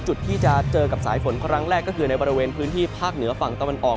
จุดที่จะเจอกับสายฝนครั้งแรกก็คือในบริเวณพื้นที่ภาคเหนือฝั่งตะวันออก